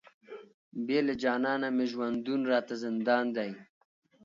بې له جانانه مي ژوندون راته زندان دی،